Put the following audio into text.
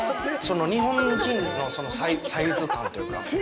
日本人のサイズ感というか。